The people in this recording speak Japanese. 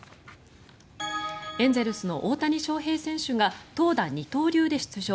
エンゼルスの大谷翔平選手が投打二刀流で出場。